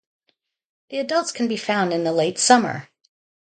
The adults can be found in the late summer.